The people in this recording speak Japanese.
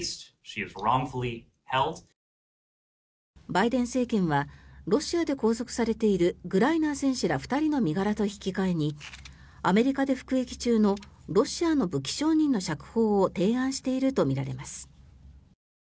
バイデン政権はロシアで拘束されているグライナー選手ら２人の身柄と引き換えにアメリカで服役中のロシアの武器商人の釈放を提案しているとみられます。